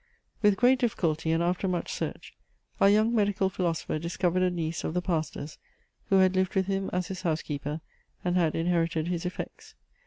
With great difficulty, and after much search, our young medical philosopher discovered a niece of the pastor's, who had lived with him as his house keeper, and had inherited his effects.